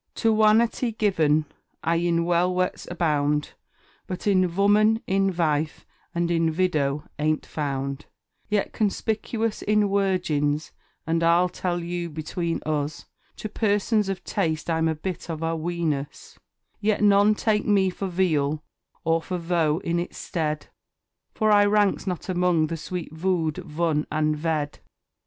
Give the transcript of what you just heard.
To Wanity given, I in Welwets abound; But in Voman, in Vife, and in Vidow ain't found: Yet conspicuous in Wirgins, and I'll tell you, between us, To persons of taste I'm a bit of a Wenus; Yet none take me for Veal or for Voe in its stead, For I ranks not among the sweet Voo'd, Vun, and Ved!